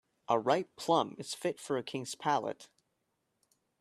A ripe plum is fit for a king's palate.